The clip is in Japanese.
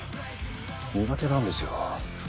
苦手なんですよ。